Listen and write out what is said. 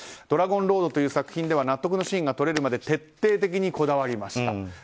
「ドラゴンロード」という作品では納得のシーンが撮れるまで徹底的にこだわりました。